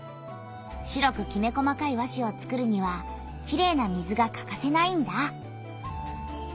白くきめ細かい和紙を作るにはきれいな水がかかせないんだ。